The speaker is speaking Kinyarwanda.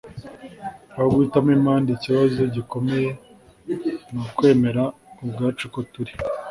aho guhitamo impande ikibazo gikomeye ni ukwemera ubwacu uko turi